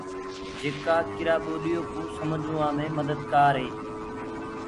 جيڪآ ڪِرآ ٻوليو ڪوُ سمگھوآ مي مدد ڪآردي هي۔